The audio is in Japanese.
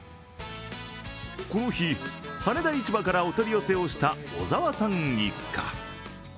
この日、羽田市場からお取り寄せをした小沢さん一家。